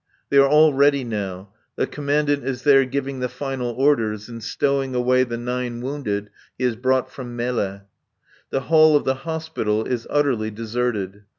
They are all ready now. The Commandant is there giving the final orders and stowing away the nine wounded he has brought from Melle. The hall of the Hospital is utterly deserted.